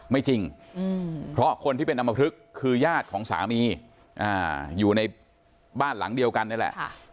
ไม่จริงเพราะคนที่เป็นอำมพลึกคือญาติของสามีอยู่ในบ้านหลังเดียวกันนี่แหละ